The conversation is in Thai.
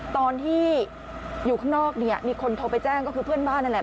ตอนที่อยู่ข้างนอกเนี่ยมีคนโทรไปแจ้งก็คือเพื่อนบ้านนั่นแหละ